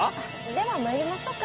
ではまいりましょうか。